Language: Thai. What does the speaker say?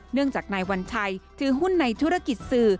เนื่องจากนายวัญชัยถือหุ้นในธุรกิจสื่อ